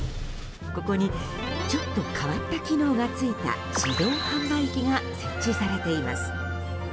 ここにちょっと変わった機能が付いた自動販売機が設置されています。